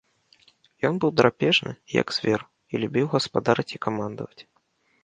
Ён быў драпежны, як звер, і любіў гаспадарыць і камандаваць.